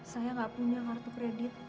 saya nggak punya kartu kredit